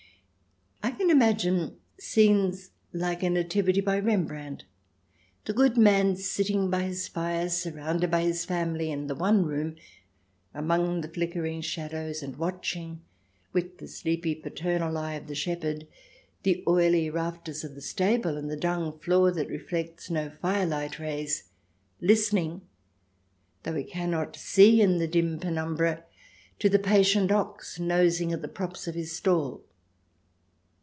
I can imagine scenes like a "Nativity" by Rembrandt — the good man sitting by his fire surrounded by his family, in the one room, among the flickering shadows, and watching, with the sleepy paternal eye of the shepherd, the oily rafters of the stable, and the dung floor that reflects no firelight rays ; listening, though he cannot see in the dim penumbra, to the patient ox nosing at the props of his stall.